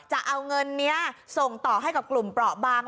จะเอาเงินนี้ส่งต่อให้กับกลุ่มเปราะบาง